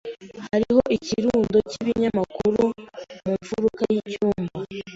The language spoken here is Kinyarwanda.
Hariho ikirundo c'ibinyamakuru mu mfuruka y'icyumba.